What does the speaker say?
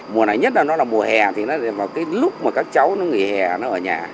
mùa này nhất là nó là mùa hè thì nó vào cái lúc mà các cháu nó nghỉ hè nó ở nhà